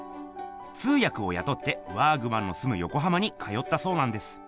通やくをやとってワーグマンのすむよこはまに通ったそうなんです。